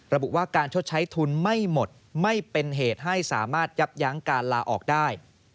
ระบุว่าการชดใช้ทุนไม่หมดไม่เป็นเหตุให้สามารถยับยั้งการลาออกได้